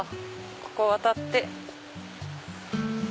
ここ渡って。